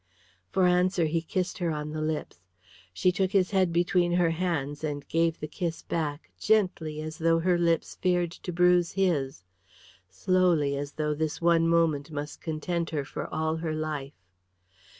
For answer he kissed her on the lips. She took his head between her hands and gave the kiss back, gently as though her lips feared to bruise his, slowly as though this one moment must content her for all her life.